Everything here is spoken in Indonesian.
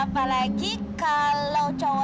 lima pulau kecil